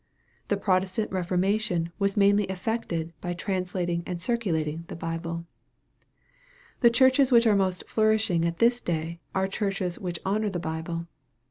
The Protestant Keformation was mainly effected by translating and circulating the Bible. The churches which are most flourishing at this day, are churches which honor the Bible.